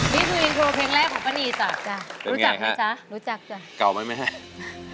นี่คืออินโทรเพลงแรกของพะนีจ่ะจ้ะรู้จักเหรอจ๊ะเป็นยังไงครับเก่าไหม